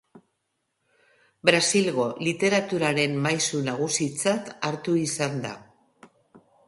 Brasilgo literaturaren maisu nagusitzat hartu izan da.